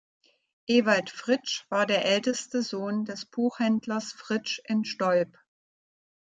Ewald Fritsch war der älteste Sohn des Buchhändlers Fritsch in Stolp.